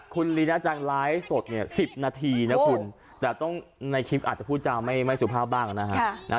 คุณลีน่าจังไลฟ์สดเนี่ย๑๐นาทีนะคุณแต่ต้องในคลิปอาจจะพูดจาไม่สุภาพบ้างนะฮะ